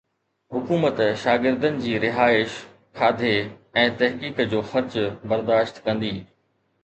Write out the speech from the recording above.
حڪومت شاگردن جي رهائش، کاڌي ۽ تحقيق جو خرچ برداشت ڪندي.